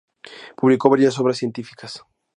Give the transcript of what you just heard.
Publicó varias obras científicas.